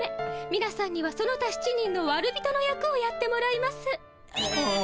みなさんにはその他７人のわる人の役をやってもらいます。